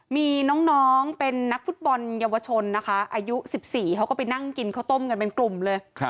มีน้องเป็นนักฟุตบอลเยาวชนนะคะอายุ๑๔เขาก็ไปนั่งกินข้าวต้มกันเป็นกลุ่มเลย